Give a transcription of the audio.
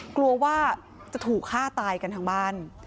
กลัวว่าจะถูกฆ่าตายกันทั้งบ้าน